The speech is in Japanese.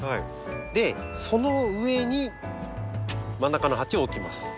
でその上に真ん中の鉢を置きます。